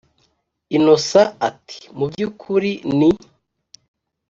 innocent ati”mubyukuri ni